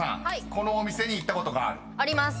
このお店に行ったことがある？］あります。